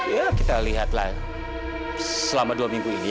ya kita lihatlah selama dua minggu ini